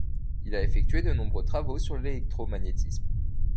Il a effectué de nombreux travaux sur l'électromagnétisme.